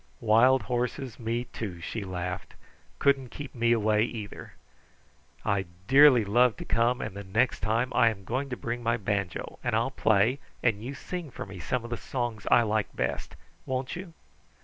"Wild horses me, too," she laughed, "couldn't keep me away either! I dearly love to come, and the next time I am going to bring my banjo, and I'll play, and you sing for me some of the songs I like best; won't you?"